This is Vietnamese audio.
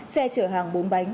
xe chở hàng bốn bánh